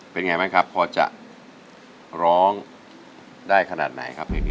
เป็นไงบ้างครับพอจะร้องได้ขนาดไหนครับเพลงนี้